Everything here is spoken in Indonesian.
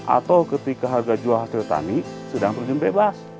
atau ketika harga jual hasil tanik sedang berjumlah bebas